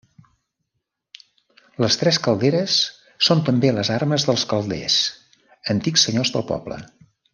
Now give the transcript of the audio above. Les tres calderes són també les armes dels Calders, antics senyors del poble.